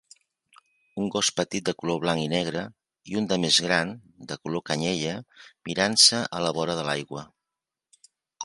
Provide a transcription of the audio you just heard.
Un gos petit de color blanc i negre i un de més gran de color canyella mirant-se a la vora de l'aigua